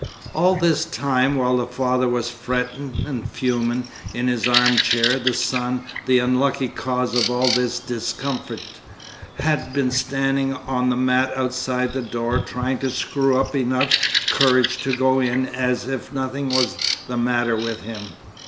All this time, while the father was fretting and fuming in his arm chair, the son, the unlucky cause of all this discomfort, had been standing on the mat outside the door, trying to screw up enough courage to go in as if nothing was the matter with him.